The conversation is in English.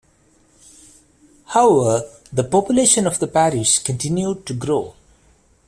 However, the population of the parish continued to grow.